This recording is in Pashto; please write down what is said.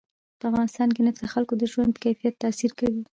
په افغانستان کې نفت د خلکو د ژوند په کیفیت تاثیر کوي.